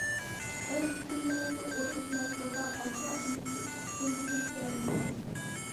مەن ئىشىنىمەنكى، ئۇرۇش مەزگىلىدە، ئاكا ئىنىسى ئىككىنچى كۆرەلمىدى.